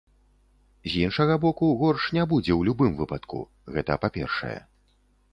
З іншага боку, горш не будзе ў любым выпадку, гэта па-першае.